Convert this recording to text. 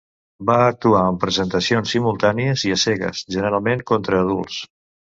Va actuar en presentacions simultànies i a cegues, generalment contra adults.